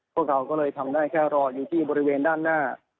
พวกเราก็เลยทำได้แค่รออยู่ที่บริเวณด้านหน้า